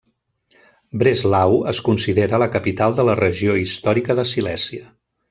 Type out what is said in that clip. Breslau es considera la capital de la regió històrica de Silèsia.